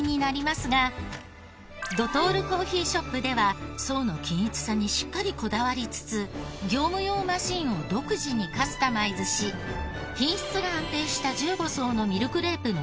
ドトールコーヒーショップでは層の均一さにしっかりこだわりつつ業務用マシンを独自にカスタマイズし品質が安定した１５層のミルクレープの量産に成功。